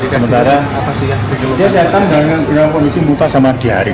sementara dia datang dengan kondisi muka sama di hari